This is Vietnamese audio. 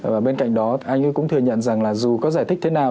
và bên cạnh đó anh cũng thừa nhận rằng là dù có giải thích thế nào